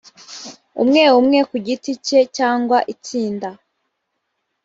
umwe umwe ku giti cye cyangwa itsinda